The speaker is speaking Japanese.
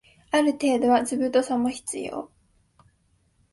ある程度は図太さも必要